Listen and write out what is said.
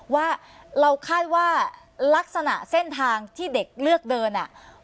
ว่าเราคาดว่าลักษณะเส้นทางที่เด็กเลือกเดินอ่ะ